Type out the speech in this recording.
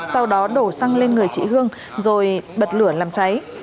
sau đó đổ xăng lên người chị hương rồi bật lửa làm cháy